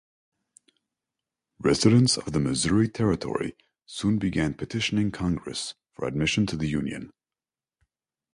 Residents of the Missouri Territory soon began petitioning Congress for admission to the Union.